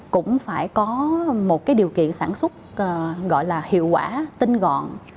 cũng phải có một cái điều kiện sản xuất gọi là hiệu quả tinh gọn